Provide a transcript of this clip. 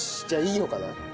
じゃあいいのかな？